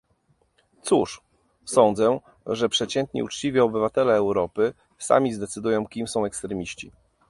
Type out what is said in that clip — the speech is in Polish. Cóż, sądzę, że przeciętni uczciwi obywatele Europy sami zdecydują, kim są ekstremiści